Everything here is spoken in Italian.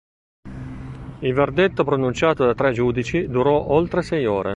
Il verdetto, pronunciato da tre giudici, durò oltre sei ore.